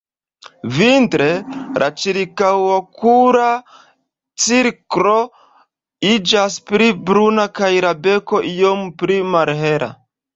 Vintre la ĉirkaŭokula cirklo iĝas pli bruna kaj la beko iome pli malhela.